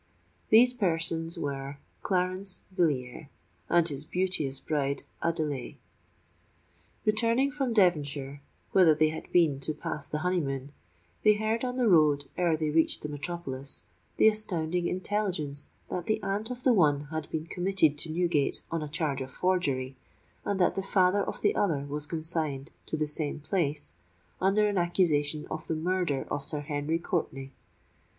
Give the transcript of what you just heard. These persons were Clarence Villiers and his beauteous bride, Adelais. Returning from Devonshire, whither they had been to pass the honeymoon, they heard on the road, ere they reached the metropolis, the astounding intelligence that the aunt of the one had been committed to Newgate on a charge of forgery, and that the father of the other was consigned to the same place under an accusation of the murder of Sir Henry Courtenay.